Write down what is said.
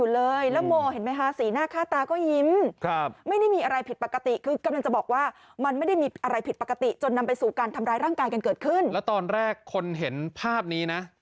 แล้วตอนแรกคนเห็นภาพนี้นะ